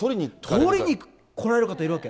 撮りに来られる方いるわけ。